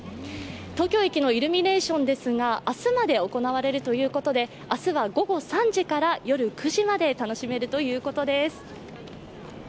東京駅のイルミネーションですが、明日まで行われるということで、明日は午後３時から夜９時まで楽しめるということです。